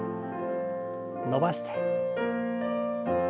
伸ばして。